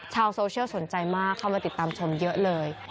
ชาวโซเชียลสนใจมากเข้ามาติดตามชมเยอะเลย